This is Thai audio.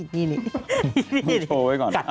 นี่โชว์ไว้ก่อน